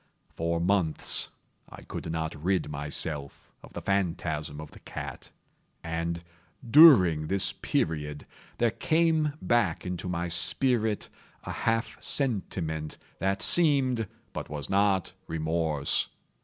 For months I could not rid myself of the phantasm of the cat; and, during this period, there came back into my spirit a half sentiment that seemed, but was not, remorse.